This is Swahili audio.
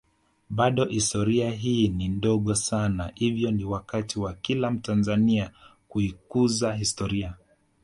Bado historia hii ni ndogo sana hivyo ni wakati wa kila mtanzania kuikuza historia